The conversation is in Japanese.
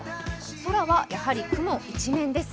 空は、やはり雲一面です。